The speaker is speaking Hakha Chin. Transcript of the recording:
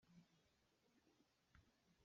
Nan dam ma?